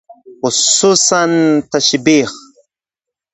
hususan tashbihi